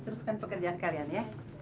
teruskan pekerjaan kalian ya